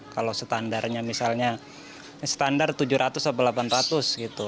kalau standarnya misalnya standar tujuh ratus atau delapan ratus gitu